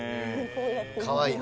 かわいい。